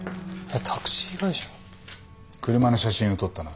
車の写真を撮ったな。